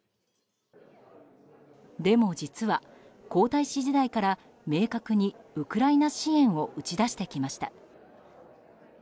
でも実は、皇太子時代から明確にウクライナ支援を打ち出してきました。